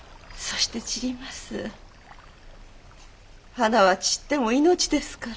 花は散っても命ですから。